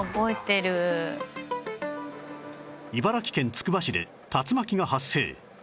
茨城県つくば市で竜巻が発生